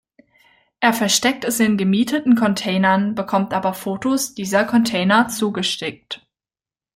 Er versteckt es in gemieteten Containern, bekommt aber Fotos dieser Container zugeschickt.